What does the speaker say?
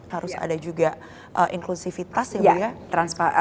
harus ada juga inklusivitas ya bu ya